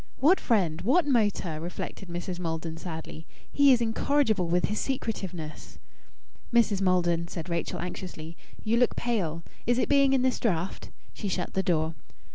"What friend? What motor?" reflected Mrs. Maldon sadly. "He is incorrigible with his secretiveness." "Mrs. Maldon," said Rachel anxiously, "you look pale. Is it being in this draught?" She shut the door.